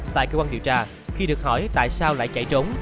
tại cơ quan điều tra khi được hỏi tại sao lại chạy trốn